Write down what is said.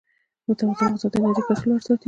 متوازن غذا د انرژۍ کچه لوړه ساتي.